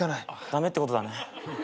駄目ってことだね。